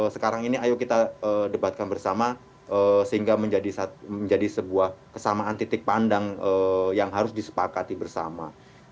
sekarang ini ayo kita debatkan bersama sehingga menjadi sebuah kesamaan titik pandang yang harus disepakati bersama